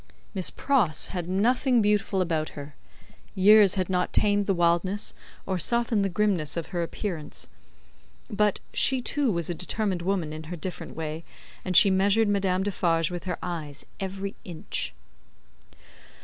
Miss Pross had nothing beautiful about her; years had not tamed the wildness, or softened the grimness, of her appearance; but, she too was a determined woman in her different way, and she measured Madame Defarge with her eyes, every inch.